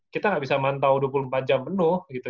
kita nggak bisa mantau dua puluh empat jam penuh gitu